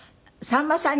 さんまさん